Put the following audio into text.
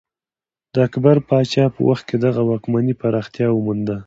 د اکبر پاچا په وخت کې دغه واکمنۍ پراختیا ومونده.